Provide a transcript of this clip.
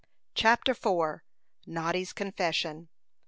CHAPTER IV. NODDY'S CONFESSION.